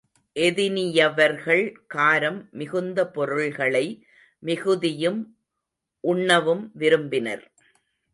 எதினியவர்கள் காரம் மிகுந்த பொருள்களை மிகுதியும் உண்ணவும் விரும்பினர்.